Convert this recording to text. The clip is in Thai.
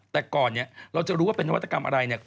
แต่ก่อนนี้เราจะรู้ว่าเป็นวัตกรรมอะไร